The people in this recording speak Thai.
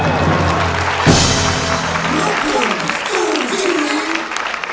ซูค่ะ